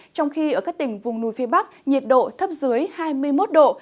trong khi ở các tỉnh vùng núi phía bắc nhiệt độ thấp dưới hai mươi một độ